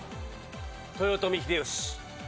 豊臣秀吉。